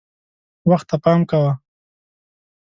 وخت ته پام کوه .